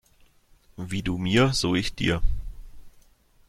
Wie du mir, so ich dir.